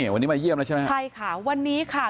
วันนี้มาเยี่ยมแล้วใช่ไหมใช่ค่ะวันนี้ค่ะ